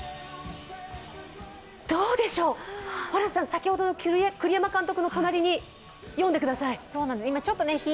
どうでしょう、ホランさん、先ほどの栗山監督の隣に、読んでください。